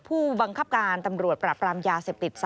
ผู้บังคับการตำรวจปราบรามยาเสพติด๒